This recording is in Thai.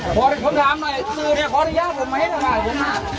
ขอสำหรับหน่อยขออนุญาตผมไหมถ่ายผมน่ะ